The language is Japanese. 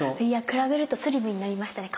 比べるとスリムになりましたね